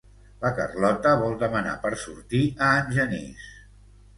La Carlota vol demanar per sortir a en Genís.